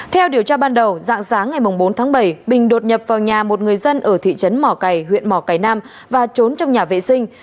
theo điều tra ban đầu dạng sáng ngày bốn tháng bảy bình đột nhập vào nhà một người dân ở thị trấn mò cày huyện mò cày nam và trốn trong nhà vệ sinh